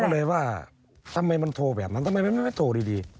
ก็เลยว่าทำไมมันโทรแบบนั้นทำไมมันไม่โทรดี